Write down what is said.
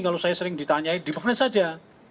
kalau saya sering ditanyain di bagian lain saja